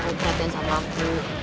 keperhatian sama aku